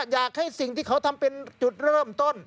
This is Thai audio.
อยากให้สิ่งที่เขาทำเป็นจุดเริ่มต้น